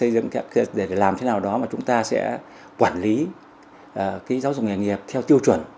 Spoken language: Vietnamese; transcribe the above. để làm thế nào đó mà chúng ta sẽ quản lý giáo dục nghề nghiệp theo tiêu chuẩn